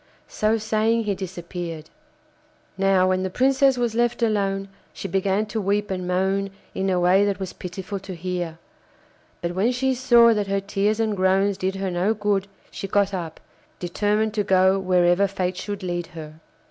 So saying he disappeared. Now, when the Princess was left alone she began to weep and moan in a way that was pitiful to hear; but when she saw that her tears and groans did her no good, she got up, determined to go wherever fate should lead her.